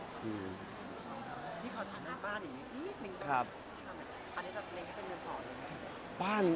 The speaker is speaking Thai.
พี่เค้าถามบ้านอีกนิดนึงครับอันนี้จะเป็นเมืองศอดีไหมครับ